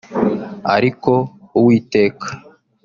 ariko Uwiteka